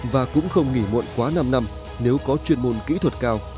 và cũng không nghỉ muộn quá năm năm nếu có chuyên môn kỹ thuật cao